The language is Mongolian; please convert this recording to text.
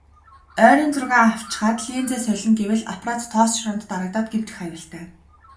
Ойрын зургаа авчхаад линзээ солино гэвэл аппарат тоос шороонд дарагдаад гэмтэх аюултай.